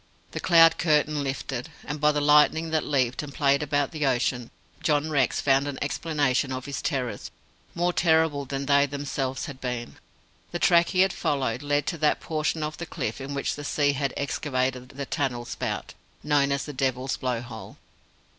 The cloud curtain lifted, and by the lightning that leaped and played about the ocean, John Rex found an explanation of his terrors, more terrible than they themselves had been. The track he had followed led to that portion of the cliff in which the sea had excavated the tunnel spout known as the Devil's Blow hole.